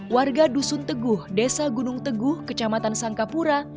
warga dusun teguh desa gunung teguh kecamatan sangkapura